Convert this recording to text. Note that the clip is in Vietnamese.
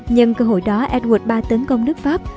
nhận cơ hội đó edward iii tấn công nước pháp